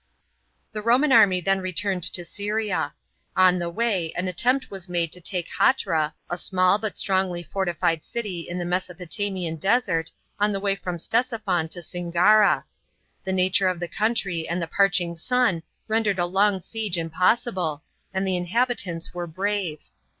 The Roman army then returned to Syria. On the way an attempt was made to take Hatra, a small but t trongly fortified city in the Mesopotamian desert, on the way from Ctesiphon to Singara. The nature of the country and the parching sun rendered a long siege impossible, and the inhabitants were brave.